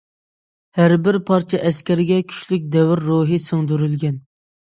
ھەر بىر پارچە ئەسەرگە كۈچلۈك دەۋر روھى سىڭدۈرۈلگەن.